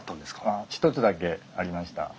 ああ一つだけありました。